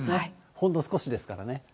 ほんの少しですからね。